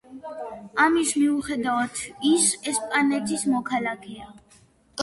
ამის მიუხედავად, ის ესპანეთის მოქალაქეა.